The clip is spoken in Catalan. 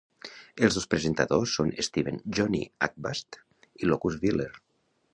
Els dos presentadors són Steven "Johnny" Avkast i Locus Wheeler.